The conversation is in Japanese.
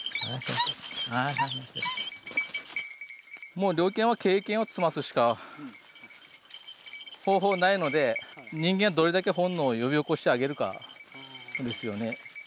もう猟犬は経験を積ますしか方法ないので人間がどれだけ本能を呼び起こしてあげるかですよね。